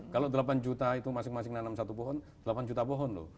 kalau delapan juta itu masing masing nanam satu pohon delapan juta pohon loh